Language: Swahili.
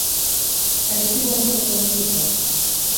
Alipigwa ngumi kwenye vita